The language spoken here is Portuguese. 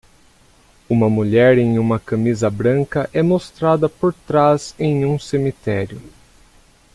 Uma mulher em uma camisa branca é mostrada por trás em um cemitério.